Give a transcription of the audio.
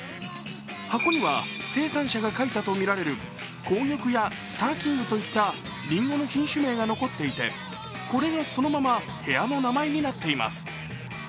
゛箱には生産者が書いたとみられる紅玉やスターキングといったりんごの品種名が残っていて、これがそのまま部屋の名前になっています。